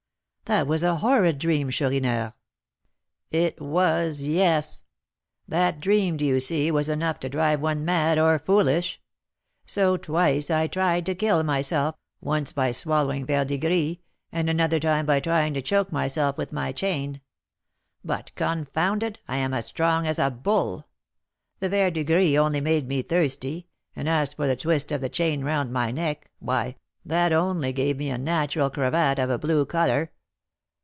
"That was a horrid dream, Chourineur!" "It was; yes. That dream, do you see, was enough to drive one mad or foolish; so, twice, I tried to kill myself, once by swallowing verdigris, and another time by trying to choke myself with my chain; but, confound it, I am as strong as a bull. The verdigris only made me thirsty; and as for the twist of the chain round my neck, why, that only gave me a natural cravat of a blue colour.